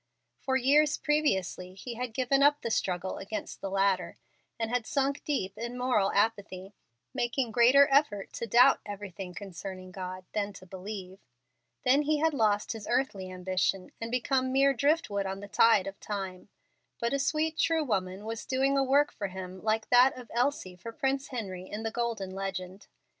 For years previously he had given up the struggle against the latter, and had sunk deep in moral apathy, making greater effort to doubt everything concerning God than to believe. Then he had lost even his earthly ambition, and become mere driftwood on the tide of time. But a sweet, true woman was doing a work for him like that of Elsie for Prince Henry in the Golden Legend.